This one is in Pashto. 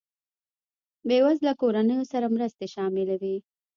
بېوزله کورنیو سره مرستې شاملې وې.